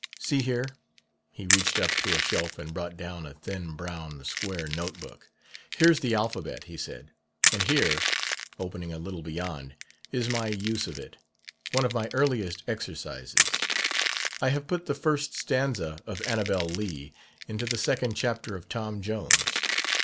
See here.' He reached up to a shelf and brought down a thin brown square note book. 'Here's the alphabet,' he said; 'and here' opening a little beyond 'is my use of it: one of my earliest exercises. I have put the first stanza of "Annabel Lee" into the second chapter of "Tom Jones."'